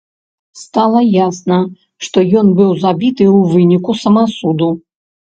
Стала ясна, што ён быў забіты ў выніку самасуду.